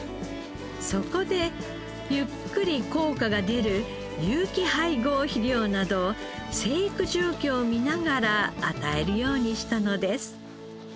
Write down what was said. そこでゆっくり効果が出る有機配合肥料などを生育状況を見ながら与えるようにしたのです。